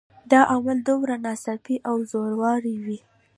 دا عمل دومره ناڅاپي او زوراور وي